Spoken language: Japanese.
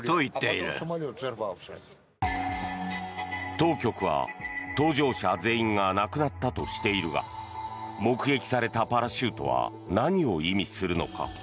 当局は搭乗者全員が亡くなったとしているが目撃されたパラシュートは何を意味するのか。